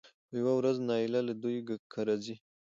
خو يوه ورځ نايله له دوی کره ځي